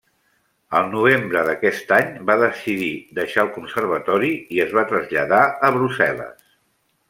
Al novembre d'aquest any, va decidir deixar el conservatori i es va traslladar a Brussel·les.